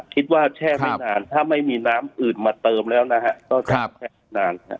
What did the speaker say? คิดว่าแช่ไม่นานถ้าไม่มีน้ำอื่นมาเติมแล้วนะฮะ